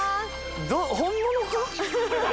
本物か？